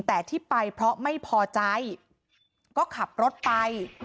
แต่ที่ไปเพราะไม่พอใจก็ขับรถไป